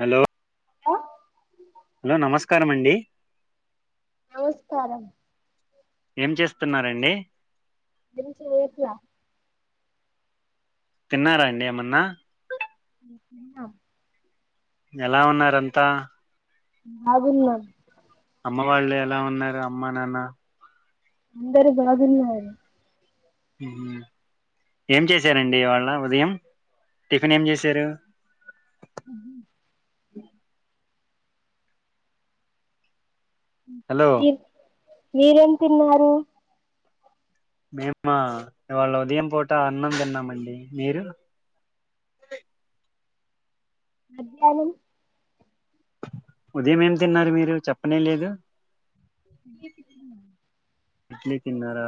Hello hello hello నమస్కారం అండి నమస్కారం ఏం చేస్తున్నారండి ఏం చేయట్ల తిన్నారా అండి ఏమన్నా తిన్నాం ఎలా ఉన్నారంతా బాగున్నాం అమ్మా నాన్న అందరు బాగున్నారు మ్మ్ ఏం చేశారండి ఇవాళ్ళ ఉదయం టిఫిన్ ఏం చేశారు ఇడ్లీ హలో మీరు మీరేం తిన్నారు మేమా ఇవాళ్ళ ఉదయం పూట అన్నం తిన్నామండి మీరు మధ్యానం ఉదయం ఏం తిన్నారు మీరు చెప్పనే లేదు ఇడ్లీ తిన్న ఇడ్లీ తిన్నారా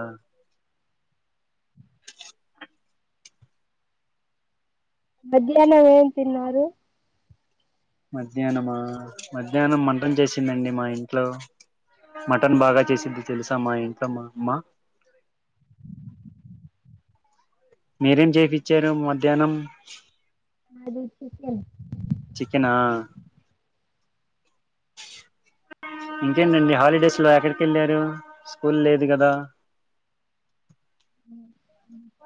మధ్యానం ఏం తిన్నారు మధ్యాహ్నమా మధ్యానం మటన్ చేసిండండి మా ఇంట్లో మటన్ బాగా చేసిద్ది తెలుసా మా ఇంట్లో మా అమ్మా మీరేం చేపించారు మధ్యానం మాది చికెన్ చికెనా ఇంకేంటండి హాలిడేస్ లో ఎక్కడికి వెళ్ళారు స్కూల్ లేదు కదా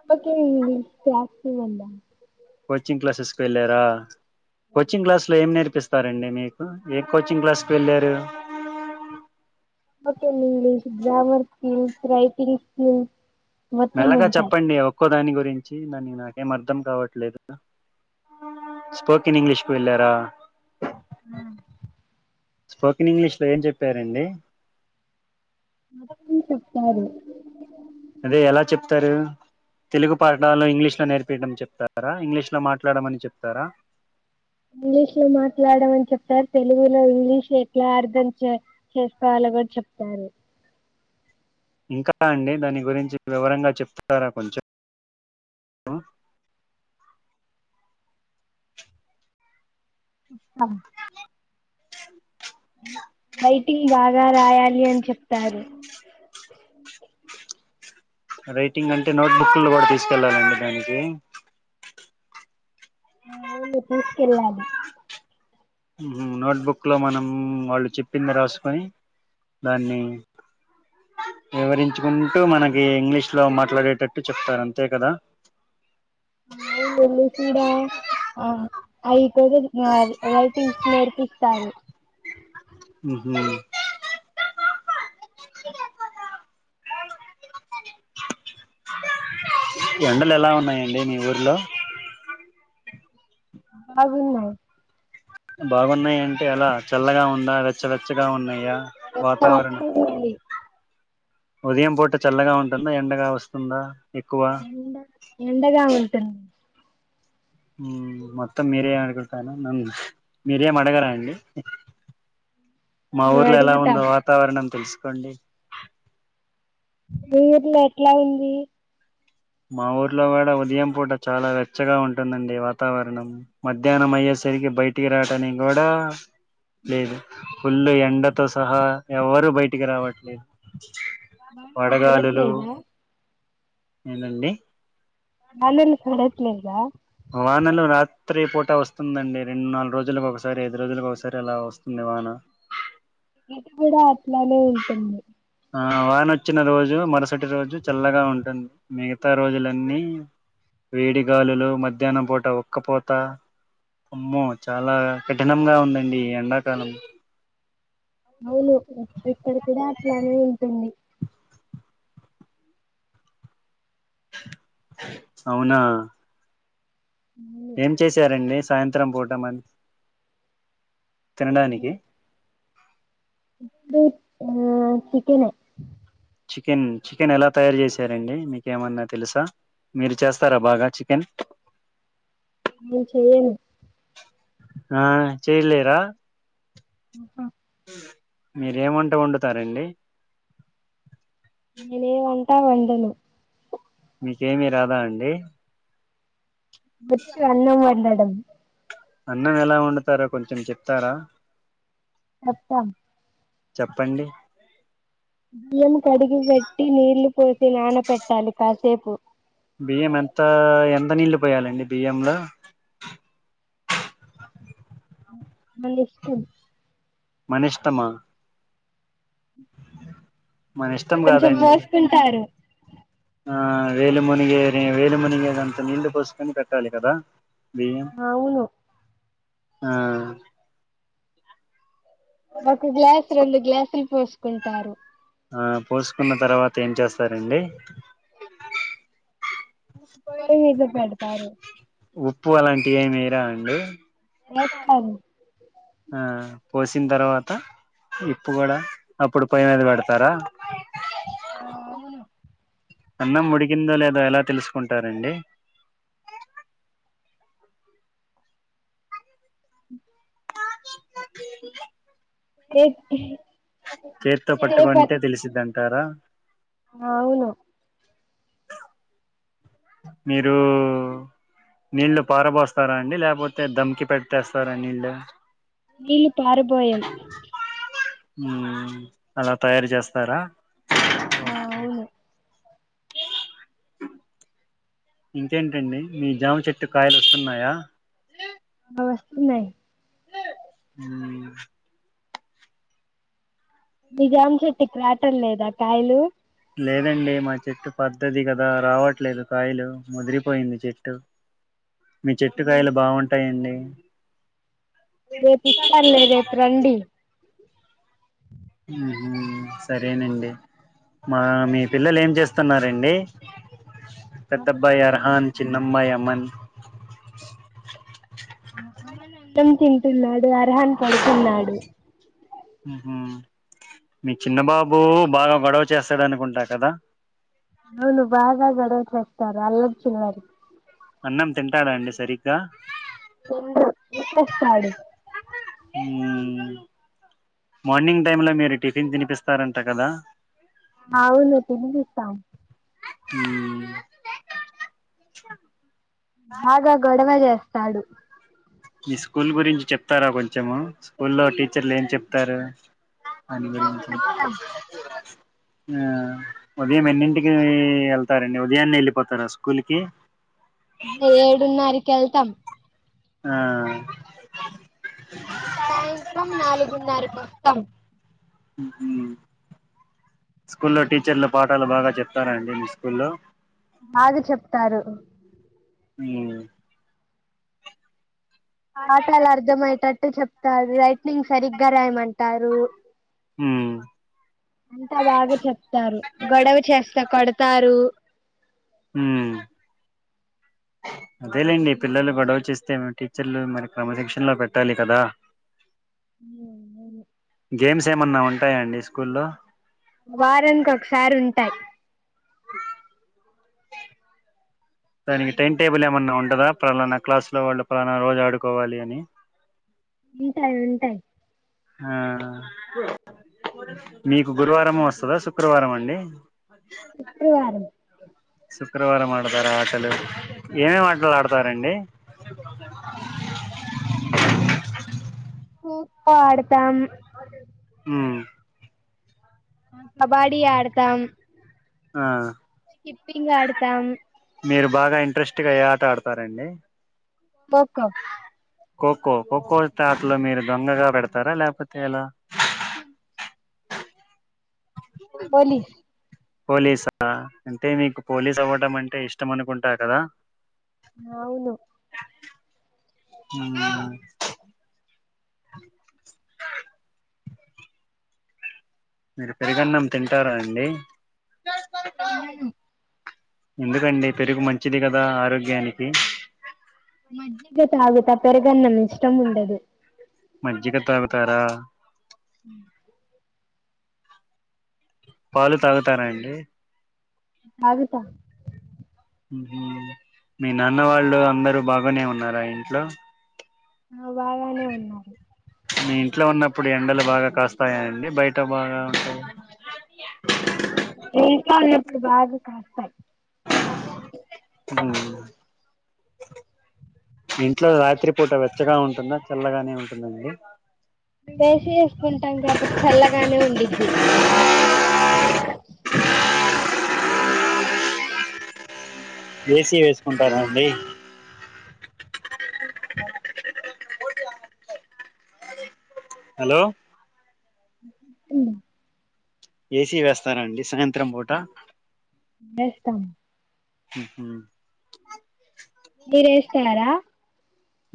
కోచింగ్ ది క్లాస్ కి వెళ్ళ కోచింగ్ క్లాసెస్కి వెళ్ళారా కోచింగ్ క్లాస్ లో ఏం నేర్ పిస్తారండి మీకు ఏం కోచింగ్ క్లాస్కి వెళ్ళారు spoken English grammar skills writing skills మొత్తం మెల్లగా ఉంటాయి చెప్పండి ఒక్కో దాని గురించి దాని నాకేం అర్ధం కావట్లేదు స్పోకన్ ఇంగ్లీష్ కు వెళ్ళారా ఉ స్పోకెన్ ఇంగ్లీష్లో ఏం చెప్పారండి మోత్తం చెప్తారు అదే ఎలా చెప్తారు తెలుగు పాఠాలు ఇంగ్లీష్ లో నేర్పిడం చెప్తారా ఇంగ్లీష్ లో మాట్లాడమని చెప్తారా ఇంగ్లీష్ లో మాట్లాడమని చెప్పారు తె తెలుగులో ఇంగ్లీష్ ఎట్లా అర్ధం చే చేసుకోవాలో కూడా చెప్తారు ఇంకా అండి దాని గురించి వివరంగా చెప్తారా కొంచెం చెప్తాను రైటింగ్ బాగా రాయాలి అని చెప్తారు రైటింగ్ అంటే నోట్ బుక్లు కూడా తీసుకెళ్ళాలండి దానికి ఆ అవును తీసుకెళ్ళాలి ఉహు నోట్బుక్ లో మనం వాళ్ళు చెప్పింది రాసుకొని దాన్ని వివరించుకుంటూ మనకి ఇంగ్లీష్ లో మాట్లాడేటట్టు చెప్తారు అంతే కదా అవును మికీడ ఆ అయితే నా రైటింగ్స్ నేర్పిస్తాను ఉహు ఎ ఎండలు ఎలా ఉన్నాయండి మి ఊర్లో బాగున్నాయ్ బాగున్నాయంటె ఎలా చల్లగా ఉందా వెచ్ చ్చ వెచ్చగా ఉన్నాయా వాతావరణం వెచ్చవచ్చగా ఉంది ఉదయం పూట చల్లగా ఉంటుందా ఎండగా వస్తుందా ఎక్కువ ఎండ ఎండగా ఉంటుంది ఊ మొత్తం మీరే అనుకుంటాను నన్ మీరేం అడగరా అండి. మా మేము ఊర్లో ఎలా అడుగుతాం ఉందో వాతావరణం తెలుసుకోండి. మీ ఊర్లో ఎట్లా ఉంది. మా ఊర్లో కూడా ఉదయం పూట చాలా వెచ్చగా ఉంటుందండి వాతావరణం మధ్యాహ్నం అయ్యేస్ సరికి బయటికి రాటనికి కూడా లేదు పుల్లు ఎండతో సహా ఎవరు బయటికి రావట్లేదు. వానలు వడగాలులు పడట్లేదా ఏదండి? వానలు కురట్లేదా? వానలు రాత్రి పూట వస్తుందండి. రెండు నాలుగు రోజులకు ఒకసారి ఐదు రోజులకు ఒకసారి అలా వస్తుంది. వాన ఇది కూడా అట్లానే ఎళ్తుంది. ఆ వానొచ్చిన రోజు మరుసటి రోజు చల్లగా ఉంటుంది మిగతా రోజులన్నీ వేడి గాలులు మధ్యాహ్నం పూట ఉక్కపోత అమ్మో చాలా కఠినంగా ఉందండి ఈ ఎండాకాలం అవులు ఇక్కడ కూడా అట్లానే ఉంటుంది. అవునా అవును ఏం చేశారండి సాయంత్రం పూట మరి తినడానికి ఇప్పుడు ఆ చికెనే చికెన్ చికెన్ ఎలా తయారు చేసారండి మీకేమన్నా తెలుసా. మీరు చేస్తారా బాగా చికెన్? నేన్ చెయ్యను. ఆ చేలేరా? మీరు ఏం వంట వండుతారండి. నేనే వంటా వండను. మీకేమి రాదా అండి? వచ్చు అన్నం వండడం. అన్నం ఎలా వండుతారో కొంచెం చెప్తారా? చెప్తామ్ చెప్పండి. బియ్యం కడిగి పెట్టి నీళ్లు పోసి నాన పెట్టాలి కాసేపు. బియ్యం ఎంత ఎంత నీళ్ళ పోయాలండి బియ్యంలో. ఉ మీ ఇష్టం. మనిష్టమా? మనిష్టం కొంచెం కాదండి. పోసుకుంటారు ఆ వేలుమునిగే నే వేలుమునిగెదంతా నీళ్లు పోసుకొని పెట్టాలి కదా. బియ్యం అవును ఆ ఒక గ్లాసు రెండు గ్లాసులు పోసుకుంటారు. ఆ పోసుకున్న తర్వాత ఏం చేస్తారండి. పొయి మీద పెడతారు. ఉప్పు అలాంటియి ఏం ఏయారా అండి. ఏస్తాము ఆ పోసిం తర్వాత? ఇప్పు కూడ అప్పుడు పొయ్యి మీద పెడతార ఆ అవును అన్నం ఉడ్కిందో లేదో ఎలా తెలుసుకుంటారండి [unintelligible] చేత్తో పట్టుకుంటే చేపట్ తెలిసిద్ది అంటార అవును మీరూ నీళ్ళలు పారబోస్తార అండి లేకపోతే దమ్కి పెడితేస్తారా నీళ్ళు నీళ్లు పరపోయం అల తయారు చేస్తార ఆ అవును ఇంకేంటండి మీ జామ చెట్టుకు కాయలు వస్తున్నాయ అ వస్తున్నయ్ హ్మ్ మి జామ చెట్టు కాయట్లేద లేదా కాయలు లేదండి మా చెట్టు పెద్ధది కదా రావట్లేదు కాయలు ముదిరిపోయింది చెట్టు మీ అవును చెట్టుకాయలు బాగుంటాయండి రేపు ఇస్తాలే రేపు రండి! సరేనండి మా మీ పిల్లలు ఏం చేస్ వస్తున్నారండి పెద్దబ్బాయి అర్హాన్ చిన్నమ్బాయి అమన్ అమన్ అన్నం తింటున్నాడు అర్హన్ పడుకున్నాడు మీ చిన్న బాబు బాగ గొడవ చేస్తాడు అనుకుంటా కదా? అవ్ను బాగ గొడవ చేస్తారు అల్లరి [unintelligible] అన్నం తింటాడ అండి సరిగ్గ తిండు [unintelligible] మార్నింగ్ టైమ్ లో మీరు టిఫిన్ తినిపిస్తారంట కదా అవును తినిపిస్తాం [inaudible] బాగ గొడవ చేస్తాడు మీ స్కూల్ గురించి చెప్తార కొంచెము స్కూల్లో టీచర్లు ఏం చెప్తారు [inaudible] చెప్తాం ఆ ఉదయం ఎన్నింటికి వెళ్తారండి ఉదయాన్నే ఎళ్ళిపోతార స్కూల్కి ఏడున్నరకి ఎళ్తాం ఆ సాయంత్రం నాలుగున్నరకి వస్తాం స్కూల్లో టీచర్లు పాఠలు బాగ చెప్తారాండి మీ స్కూల్లో బాగ చెప్తారు ఉ పాఠాలు అర్ధమయ్యేటట్టు చెప్తారు రైటింగ్ సరిగ్గా రాయమంటారు ఉమ్ అంతా బాగా చెప్తారు గొడవ చేస్త [unintelligible] కొడతారు ఊ అదేలేండి పిల్లలు గొడవ చేస్తే టీచర్లు మరి క్రమ శిక్షణ లో పెట్టాలి కదా గేమ్స్ ఏమన్నా ఉంటాయాండి స్కూల్లో వారానికి ఒకసారి ఉంటాయి దానికి టైం టేబుల్ ఏమన్నా ఉంటదా ఫలానా క్లాస్ లో వాళ్ళు పలానా రోజు ఆడుకోవాలి అని ఉంటాయి ఉంటాయి హ మీకు గురువారం వస్తదా శుక్రవారం ఆ అండి శుక్రవారం శుక్రవారం ఆడతార ఆటలు ఏమేమి ఆటలు ఆడతారండి [inaudible] ఆడతాం ఉమ్ కబాడీ ఆడతాం ఆ స్కిప్పింగ్ అడుతాం మీరు బాగా ఇంట్రెస్ట్ గా ఎ ఆట ఆడతారండి ఖోఖో ఖోఖో ఖోఖో స్టాట్లో మీరు దోంగగా పెడతారా లేకపోతే ఎలా పోలీస్ పోలీసా అంటే మీకు పోలీస్ అవ్వడం అంటే ఇష్టం అనుకుంటా కదా అవును ఉమ్ [inaudible] మీరు పెరుగన్నం తింటారా అండి తినను ఎందుకండి పెరుగు మంచిది కదా ఆరోగ్యానికి మజ్జిగ తాగుత పెరుగన్నం ఇష్టం ఉండదు మజ్జిగా తాగుతారా ఉ పాలు తాగుతారా అండి తాగుతా ఉహు మీ నాన్న వాళ్ళు అందరు బాగానే ఉన్నారా ఇంట్లో ఆ బాగానే ఉన్నారు మీ ఇంట్లో ఉన్నప్పుడు ఎండలు బాగా కాస్తాయండి బయట [unintelligible] అక్కడ బాగా కాస్తాయి అ ఇంట్లో రాత్రి పూట వెచ్చగా ఉంటుందా చల్లగానే ఉంటుందాండి ఏసి వేసుకుంటాం కాబటి చల్లగానే ఉండిద్ది ఆ ఏసివేసుకుంటార అండి హలో అ ఏసీ వేస్తారండి సాయంత్రం పూట వేస్తాం ఉహు మీరేస్తర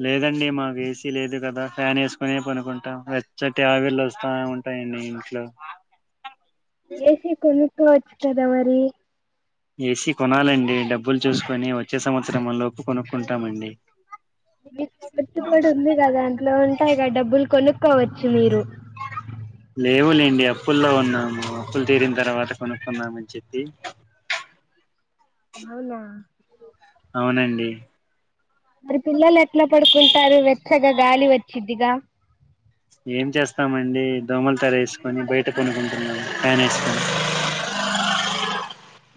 లేదండి మాకు ఏసీ లేదు కదా ఫ్యాన్ వేసుకునే పనుకుంటాం వెచ్చ టి ఆవిర్లు వస్తా ఉంటాయి టయండి ఇంట్లో ఏసీ కొనుకోవచ్చు కదా మరి ఏసి కొనాలండి డబ్బులు చూసుకొని వచ్చే సంవత్సరం లోపు కొనుక్కుంటామండి మిక్ రిచ్ కూడా ఉంది కదా దంట్లో ఉంటాయి కదా డబ్బులు కొనుక్కోవచ్చు మీరు లేవులేండి అప్పుల్లో ఉన్నాము అప్పులు తీరిన తర్వాత కొనుక్కున్నామని చెప్పి అవునా అవునండి మరి పిల్లలు ఎట్లా పడుకుంటారు వెచ్చగా గాలి వచ్చిద్దిగా ఏం చేస్తామండి దోమలు తెర ఎసుకొని బయట కొనుకుంటున్నా ఫ్యాన్ ఎసుకొని ఆ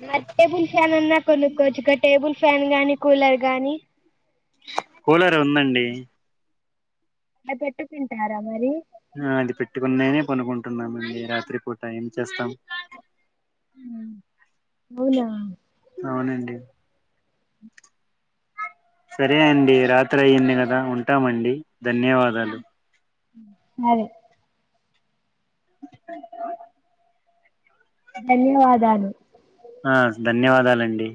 మర్ టేబుల్ ఫ్యాన్ అన్నా కొనుక్కోవచ్చుగా టేబుల్ ఫ్యాన్ గాని కూలర్ గాని కూలర్ ఉందండి అ పెట్టుకుంటారా మరి ఆ అది పెట్టుకున్ననే కొనుకుంటున్నామండి రాత్రి పూట ఏం చేస్తాం అవునా అవునండి సరే అండి రాత్రి అయింది కదా ఉంటామండి ధన్యవాదాలు సరే ధన్యవాదాలు ఆ ధన్యవాదాలండి